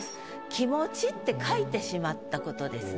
「気持ち」って書いてしまった事ですね。